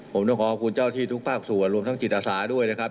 ผมต้องขอบคุณเจ้าที่ทุกภาคส่วนรวมทั้งจิตอาสาด้วยนะครับ